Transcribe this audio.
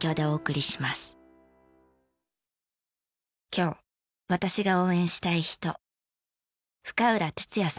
今日私が応援したい人。